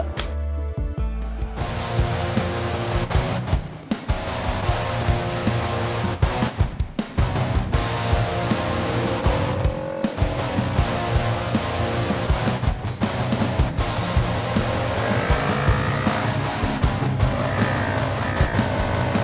woi kok kayaknya nggak di sini